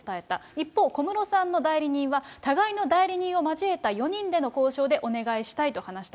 一方、小室さんの代理人は、互いの代理人を交えた４人での交渉でお願いしたいと話した。